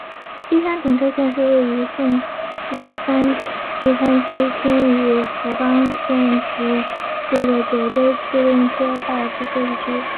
基山停车区是位于佐贺县三养基郡基山町与福冈县筑紫野市的九州自动车道之休息区。